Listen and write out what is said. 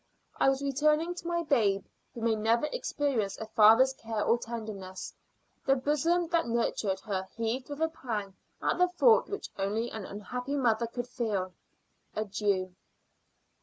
I was returning to my babe, who may never experience a father's care or tenderness. The bosom that nurtured her heaved with a pang at the thought which only an unhappy mother could feel. Adieu!